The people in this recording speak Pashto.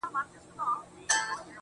څنگه به هغه له ياده وباسم~